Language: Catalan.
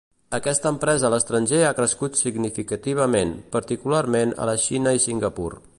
Aquesta empresa a l'estranger ha crescut significativament, particularment a la Xina i Singapur.